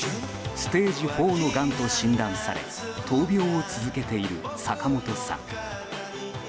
ステージ４のがんと診断され闘病を続けている坂本さん。